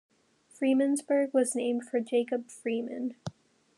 Freemansburg was named for Jacob Freeman.